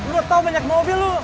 lo tau banyak mobil lo